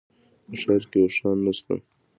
په ښار کي اوښان نشته